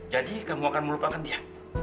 jadi kamu akan melupakan dia